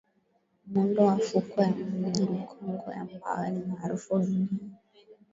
Muundo wa fukwe ya Mji Mkongwe ambayo ni maarufu duniani